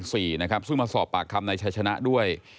ซึ่งมาสอบปากคำในชายชนะด้วย